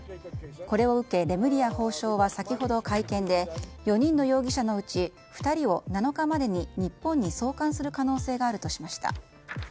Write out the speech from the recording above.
これを受けレムリヤ法相は先ほど会見で４人の容疑者のうち２人を７日までに日本に送還する可能性があるとしました。